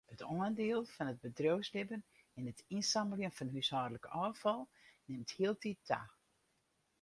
It oandiel fan it bedriuwslibben yn it ynsammeljen fan húshâldlik ôffal nimt hieltyd ta.